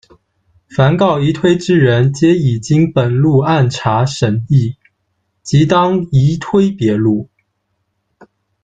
凡告移推之人皆已经本路按察审讫，即当移推别路。